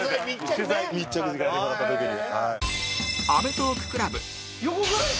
取材密着に行かせてもらった時に。